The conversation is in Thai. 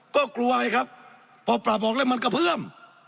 ก็กลัวไงครับพอปรับออกแล้วมันกระเพื่อม